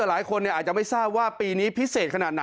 หลายคนอาจจะไม่ทราบว่าปีนี้พิเศษขนาดไหน